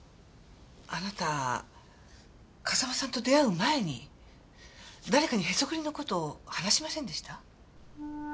あなた風間さんと出会う前に誰かにへそくりの事を話しませんでした？